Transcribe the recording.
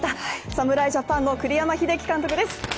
侍ジャパンの栗山英樹監督です。